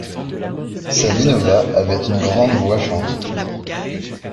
Savinova avait une grande voix chantante.